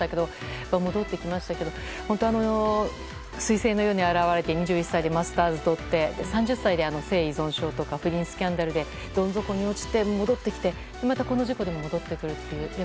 彗星のように現れて２１歳でマスターズをとって３０歳で性依存症とか不倫スキャンダルでどん底に落ちて戻ってきてこの事故でも戻ってくるという。